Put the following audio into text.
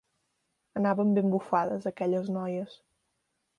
Anaven ben bufades, aquelles noies.